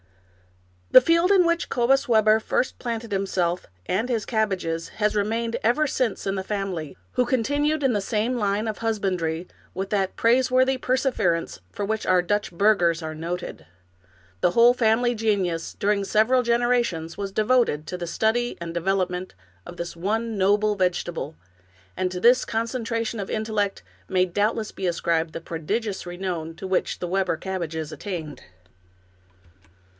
The field in which Cobus Webber first planted himself and his cabbages had remained ever since in the family, who continued in the same line of husbandry with that praise worthy perseverance for which our Dutch burghers are noted. The whole family genius, during several genera tions, was devoted to the study and development of this one noble vegetable, and to this concentration of intellect may doubtless be ascribed the prodigious renown to which the Webber cabbages attained.